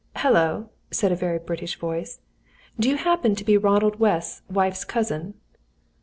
"Hullo," said a very British voice. "Do you happen to be Ronald West's wife's cousin?"